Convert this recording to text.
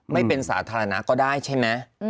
ไม่เป็นสาธารณะก็ได้ใช่ไหม